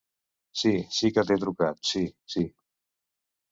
Sí, sí que t'he trucat, sí, sí.